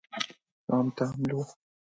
In fact none were tested.